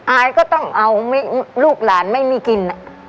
อายก็ต้องเอาลูกหลานไม่มีกิน